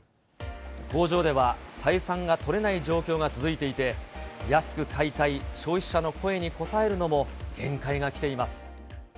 工場では、採算が取れない状況が続いていて、安く買いたい消費者の声に応えるのも限界が来ています。